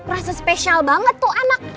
rasa spesial banget tuh anak